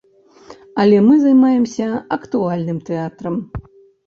Але мы займаемся актуальным тэатрам.